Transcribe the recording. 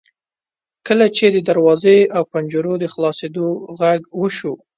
کله چې د دروازو او پنجرو د خلاصیدو غږ وشو.